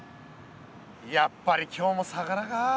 やっぱり今日も魚か。